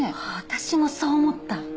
私もそう思った。